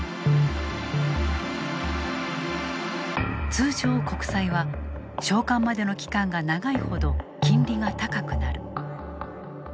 通常国債は償還までの期間が長いほど金利が高くなる。